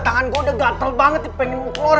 tangan gue udah gatel banget pengen mau keluar